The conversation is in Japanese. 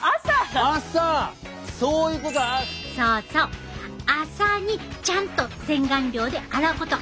そうそう朝にちゃんと洗顔料で洗うこと。